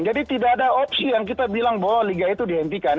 jadi tidak ada opsi yang kita bilang bahwa liga itu dihentikan